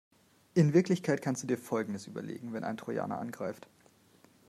In Wirklichkeit kannst du dir Folgendes überlegen, wenn ein Trojaner angreift.